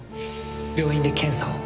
病院で検査を